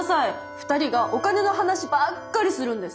２人がお金の話ばっかりするんです。